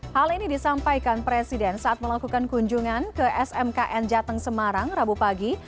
hal ini disampaikan presiden saat melakukan kunjungan ke smkn jateng semarang rabu pagi